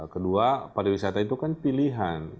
kedua pariwisata itu kan pilihan